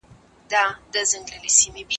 لارښود استاد باید د مسودي لومړۍ بڼه وګوري.